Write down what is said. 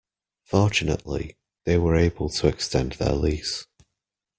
Fortunately, they were able to extend their lease.